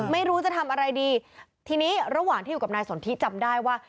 ไม่รู้จะทำอะไรดีทีนี้ระหว่างที่อยู่กับนายสนทิจำได้ว่า